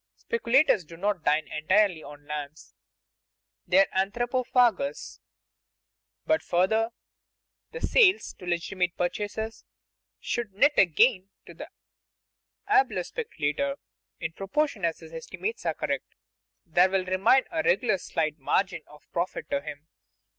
Speculators do not dine entirely on "lambs"; they are anthropophagous. But, further, the sales to legitimate purchasers should net a gain to the abler speculator. In proportion as his estimates are correct, there will remain a regular slight margin of profit to him.